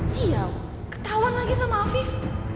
sial ketawa lagi sama afif